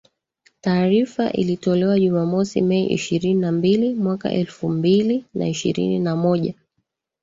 Taarifa ilitolewa Jumamosi Mei ishirini na mbili mwaka elfu mbili na ishirini na moja